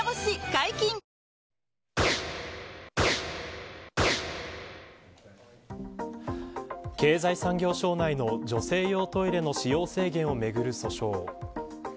解禁‼経済産業省内の女性用トイレの使用制限をめぐる訴訟。